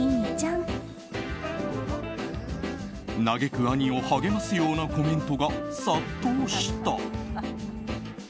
嘆く兄を励ますようなコメントが殺到した。